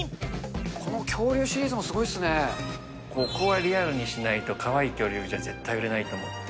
この恐竜シリーズもすごいでここはリアルにしないと、かわいい恐竜じゃ絶対に売れないと思って。